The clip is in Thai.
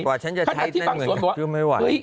กว่าฉันจะใช้แน่นเหมือนกับที่ไม่ไหว